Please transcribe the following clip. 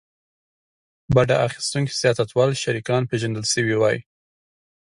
بډه اخیستونکي سیاستوال شریکان پېژندل شوي وای.